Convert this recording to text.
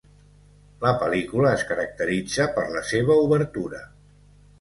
La pel·lícula es caracteritza per la seva obertura.